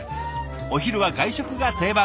お昼は外食が定番。